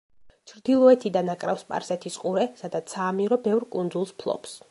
ჩრდილოეთიდან აკრავს სპარსეთის ყურე, სადაც საამირო ბევრ კუნძულს ფლობს.